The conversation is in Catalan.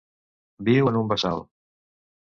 Viu en un bassal.